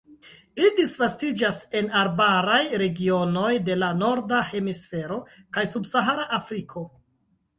Ili disvastiĝas en arbaraj regionoj de la Norda Hemisfero kaj subsahara Afriko.